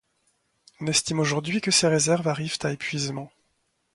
On estime aujourd'hui que ses réserves arrivent à épuisement.